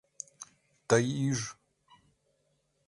«Тый ӱж».